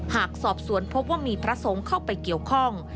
หากสอบสวนพบว่ามีพระสงฆ์เข้าไปเกี่ยวข้อง